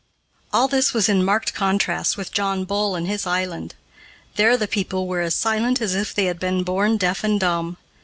All this was in marked contrast with John Bull and his Island. There the people were as silent as if they had been born deaf and dumb.